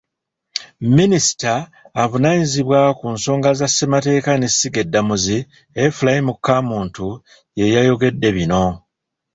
Minisita avunaanyizibwa ku nsonga za ssemateeka n'essiga eddamuzi, Ephraim Kamuntu yeyayogedde bino.